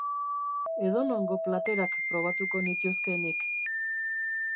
Edonongo platerak probatuko nituzke nik.